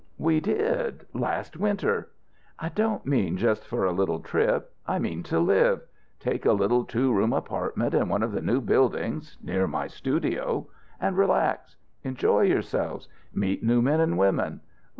We did. Last winter " "I don't mean just for a little trip. I mean to live. Take a little two room apartment in one of the new buildings near my studio and relax. Enjoy yourselves. Meet new men and women.